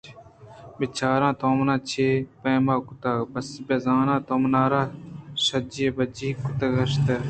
بِہ چار تو منارا چہ پیم کُت! بس بِہ زاں تو منارا شِجِّی بِجّی کُت ءُ اِشت